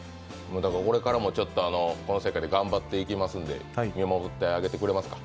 これからもこの世界で頑張っていきますんで、見守ってあげてくれますか？